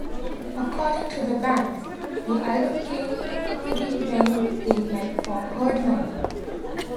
According to the band, the album came to be when they met Bob Herdman.